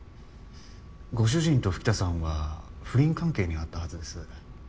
ご主人と吹田さんは不倫関係にあったはずです。